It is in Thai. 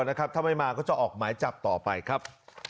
ถ้าไม่มาก็จะออกหมายจับต่อไปครับ